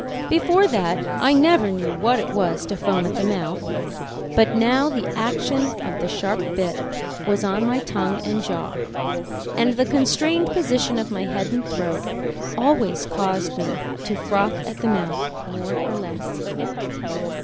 Before that, I never knew what it was to foam at the mouth, but now the action of the sharp bit on my tongue and jaw, and the constrained position of my head and throat, always caused me to froth at the mouth more or less.